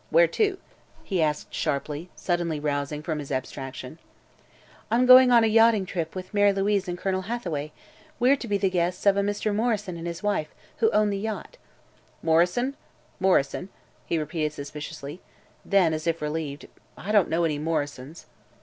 "Where to?" he asked sharply, suddenly rousing from his abstraction. "I'm going on a yachting trip with Mary Louise and Colonel Hathaway. We're to be the guests of a Mr. Morrison and his wife, who own the yacht." "Morrison? Morrison?" he repeated suspiciously. Then, as if relieved: "I don't know any Morrisons."